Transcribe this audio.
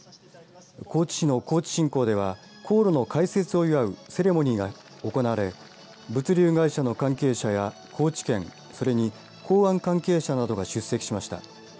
高知市の高知新港では航路の開設を祝うセレモニーが行われ物流会社の関係者や高知県それに港湾関係者などが出席しました。